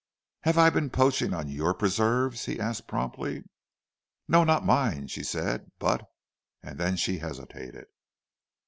"Have I been poaching on your preserves?" he asked promptly. "No, not mine," she said, "but—" and then she hesitated.